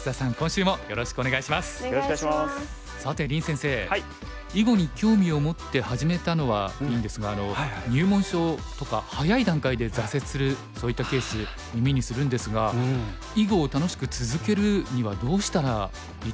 さて林先生囲碁に興味を持って始めたのはいいんですが入門書とか早い段階で挫折するそういったケース耳にするんですが囲碁を楽しく続けるにはどうしたらいいと思いますか？